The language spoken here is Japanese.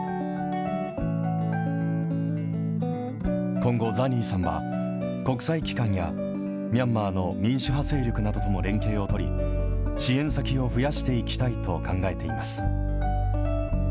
今後、ザニーさんは国際機関やミャンマーの民主派勢力などとも連携を取り、支援先を増やしていきたいと考えています。